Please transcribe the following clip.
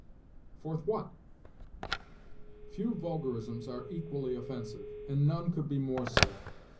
forth what? Few vulgarisms are equally offensive, and none could be more so.